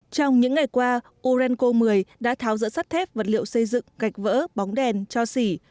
trong những ngày qua urenco một mươi đã tháo rỡ sắt thép vật liệu xây dựng gạch vỡ bóng đèn cho xỉ